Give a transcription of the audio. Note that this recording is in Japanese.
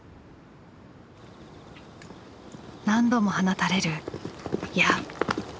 何度も放たれる矢。